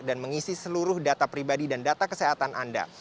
dan mengisi seluruh data pribadi dan data kesehatan anda